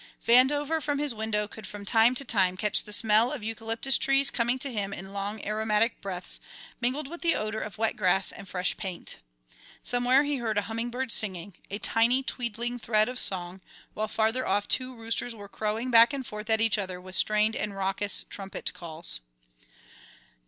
Vandover from his window could from time to time catch the smell of eucalyptus trees coming to him in long aromatic breaths mingled with the odour of wet grass and fresh paint. Somewhere he heard a hummingbird singing, a tiny tweedling thread of song, while farther off two roosters were crowing back and forth at each other with strained and raucous trumpet calls.